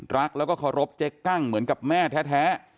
รักแล้วก็เคารพเจ๊กั้งเหมือนกับแม่แท้